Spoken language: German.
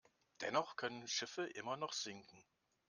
Dennoch können Schiffe immer noch sinken.